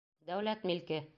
Дәүләт милке!..